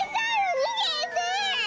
にげて！